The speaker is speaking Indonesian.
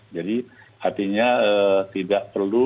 jadi artinya tidak perlu